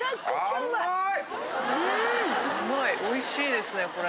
甘いおいしいですねこれ。